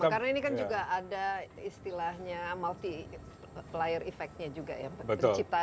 karena ini kan juga ada istilahnya multi layer effect nya juga ya